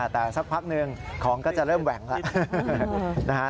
แต่สักพักหนึ่งของก็จะเริ่มแหว่งแล้ว